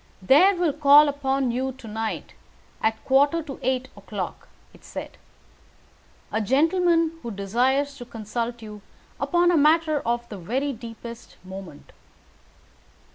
"There will call upon you to night, at a quarter to eight o'clock," it said, "a gentleman who desires to consult you upon a matter of the very deepest moment.